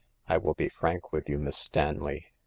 I will be frank with you, Miss Stanley."